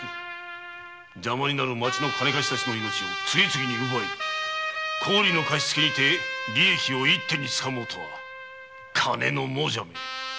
邪魔になる町の金貸したちの命を次々に奪い高利の貸し付けにて利益を一手につかもうとは金の亡者め！